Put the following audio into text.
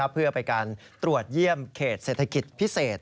เพื่อไปการตรวจเยี่ยมเขตเศรษฐกิจพิเศษ